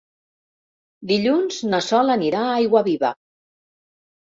Dilluns na Sol anirà a Aiguaviva.